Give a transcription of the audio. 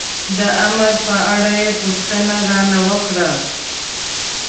د امر په اړه یې پوښتنه را نه وکړه.